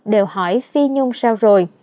đều hỏi phi nhung sao rồi